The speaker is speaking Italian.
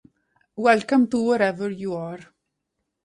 Welcome to Wherever You Are